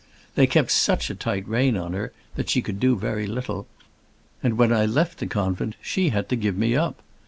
They kept such a tight rein on her that she could do very little, and when I left the convent she had to give me up.